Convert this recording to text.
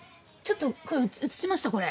ちょっと映しました？